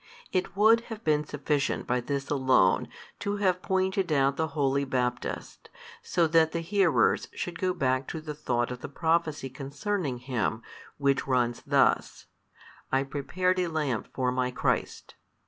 It would have been sufficient by this alone to have pointed out the holy Baptist, so that the hearers should go back to the thought of the prophecy concerning Him, which runs thus, I prepared a lamp for My Christ.